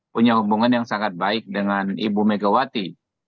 punya hubungan yang sangat baik dengan ibu megawati